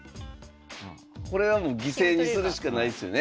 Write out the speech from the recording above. これはもう犠牲にするしかないですよね。